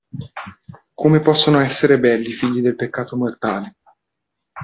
Come possono esser belli i figli del peccato mortale?